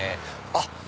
あっ！